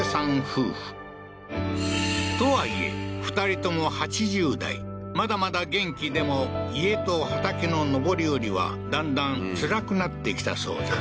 夫婦とはいえ２人とも８０代まだまだ元気でも家と畑の上り下りはだんだん辛くなってきたそうだ